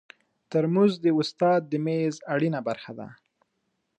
ترموز د استاد د میز اړینه برخه ده.